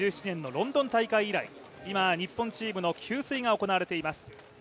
ロンドン大会以来今、日本チームの給水が行われています。